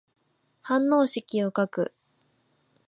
反応式を書く。